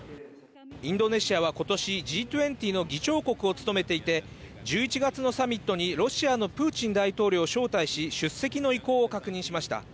インドネシアはことし、Ｇ２０の議長国を務めていて、１１月のサミットにロシアのプーチン大統領を招待し、出席の意向を確認しました。